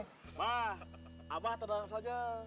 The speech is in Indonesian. ma abah tenang saja